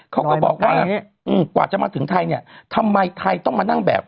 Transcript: เขาก็บอกว่ากว่าจะมาถึงไทยเนี่ยทำไมไทยต้องมานั่งแบบ